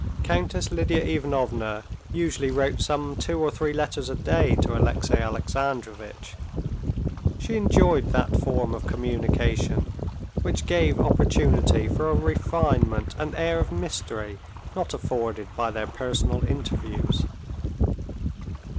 Countess Lidia Ivanovna usually wrote some two or three letters a day to Alexey Alexandrovitch. She enjoyed that form of communication, which gave opportunity for a refinement and air of mystery not afforded by their personal interviews.